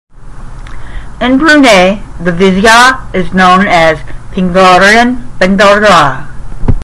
In Brunei the vizier is known as "Pengiran Bendahara".